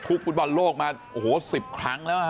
ทุกฟุตบอลโลกมา๑๐ครั้งแล้ว